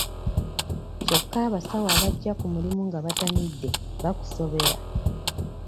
Kyokka abasawo abajja ku mulimu nga batamidde bakusobera.